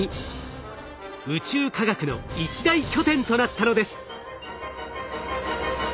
宇宙科学の一大拠点となったのです。